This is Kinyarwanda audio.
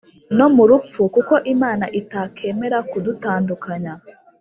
no murupfu kuko imana itakemera kudutandukanya.